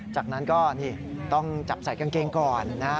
จากนั้นก็นี่ต้องจับใส่กางเกงก่อนนะฮะ